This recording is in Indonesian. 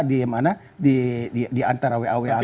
di antara wawa